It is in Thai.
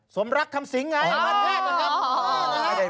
สมรักคำสิงไงบ้านแรกนะครับ